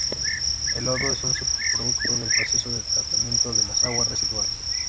El lodo es un subproducto del proceso de tratamiento de las aguas residuales.